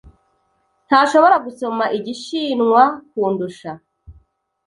Ntashobora gusoma Igishinwa kundusha.